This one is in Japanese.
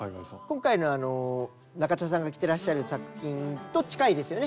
今回の中田さんが着てらっしゃる作品と近いですよね。